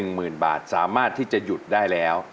หมื่นบาทสามารถที่จะหยุดได้แล้ว